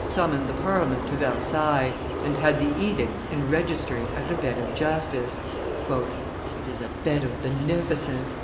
summoned the Parliament to Versailles, and had the edicts enregistered at a bed of justice. "It is a bed of beneficence!"